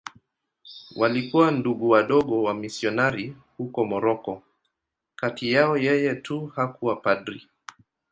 Walikuwa Ndugu Wadogo wamisionari huko Moroko.Kati yao yeye tu hakuwa padri.